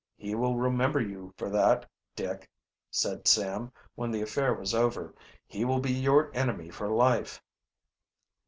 "He will remember you for that, Dick," said Sam, when the affair was over. "He will be your enemy for life."